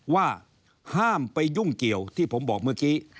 ว่าห้ามไปยุ่งเกี่ยวที่ผมบอกเมื่อกี้